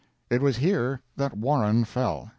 It was here that Warren fell.